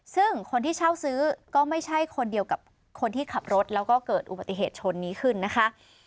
ซึ่งคนที่เช่าซื้อก็ไม่ใช่คนเดียวกับคนที่ขับรถแล้วก็เกิดอุบัติเหตุชนนี้ขึ้นนะคะ